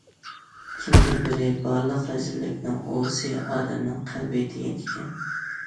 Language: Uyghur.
كىمدۇر بىرى‹‹ بارلىق رەزىللىكنىڭ ئۇۋىسى— ئادەمنىڭ قەلبى›› دېگەنىكەن.